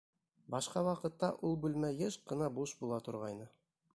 Башҡа ваҡытта ул бүлмә йыш ҡына буш була торғайны.